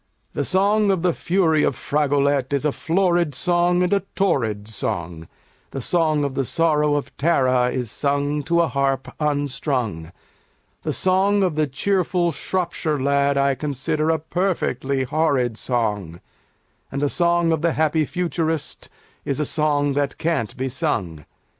The song of the fury of Fragolette is a florid song and a torrid song, The song of the sorrow of Tara is sung to a harp unstrung, The song of the cheerful Shropshire Lad I consider a perfectly horrid song, And the song of the happy Futurist is a song that can't be sung.